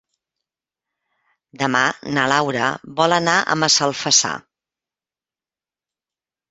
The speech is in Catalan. Demà na Laura vol anar a Massalfassar.